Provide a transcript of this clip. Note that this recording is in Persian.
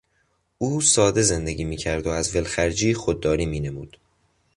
او ساده زندگی میکرد و از ولخرجی خودداری مینمود.